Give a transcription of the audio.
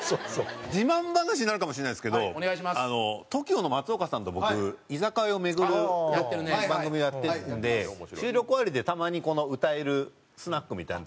自慢話になるかもしれないですけどＴＯＫＩＯの松岡さんと僕居酒屋を巡る番組をやってるんで収録終わりでたまに歌えるスナックみたいなとこに。